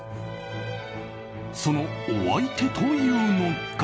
そのお相手というのが。